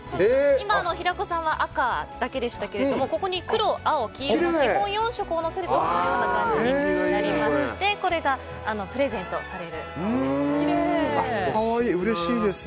今、平子さんは赤だけでしたがここに黒、青、黄色の基本４色をのせるとこのような感じになりましてこれがプレゼントされるそうです。